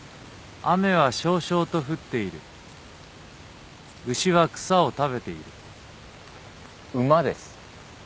「雨は蕭々と降ってゐる」「牛は草を食べてゐる」馬です。